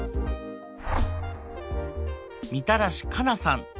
みたらし加奈さん。